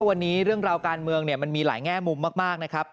วันนี้เรื่องราวการเมืองมันมีหลายแง่มุมมากนะครับ